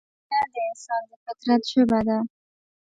مینه د انسان د فطرت ژبه ده.